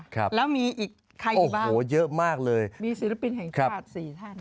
ครับแล้วมีอีกใครอยู่บ้างโอ้โหเยอะมากเลยมีศิลปินแห่งชาติสี่ท่าน